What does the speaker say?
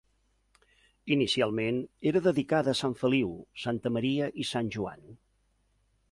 Inicialment era dedicada a sant Feliu, santa Maria i sant Joan.